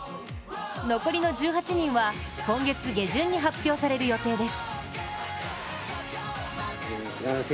残りの１８人は今月下旬に発表される予定です。